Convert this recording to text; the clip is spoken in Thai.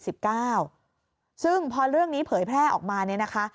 ซึ่งพอเรื่องนี้เผยแพร่ออกมาเนี่ยนะคะ